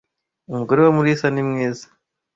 Umugore wa Mulisa ni mwiza